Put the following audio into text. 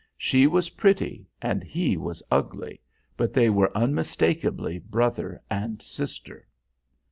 She was pretty and he was ugly, but they were unmistakably brother and sister.